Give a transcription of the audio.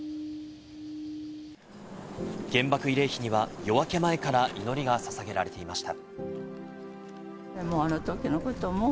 原爆慰霊碑には夜明け前から祈りが捧げられていました。